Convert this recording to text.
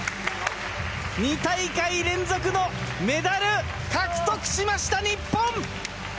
２大会連続のメダル獲得しました、日本！